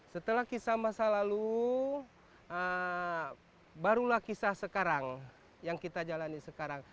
setelah kisah masa lalu barulah kisah sekarang yang kita jalani sekarang